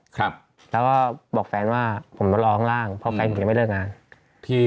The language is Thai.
ครับแล้วก็บอกแฟนว่าผมมาร้องร่างเพราะแฟนผมยังไม่เลิกงานที่